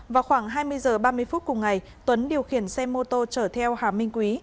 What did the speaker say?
vào khoảng hai mươi h ba mươi phút cùng ngày tuấn điều khiển xe mô tô chở theo hà minh quý